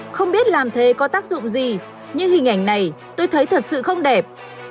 không biết làm thế có tác dụng gì nhưng hình ảnh này tôi thấy thật sự không đẹp